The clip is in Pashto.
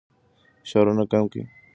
فشارونه کم کړئ.